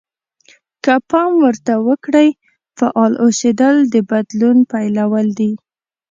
که پام ورته وکړئ فعال اوسېدل د بدلون پيلول دي.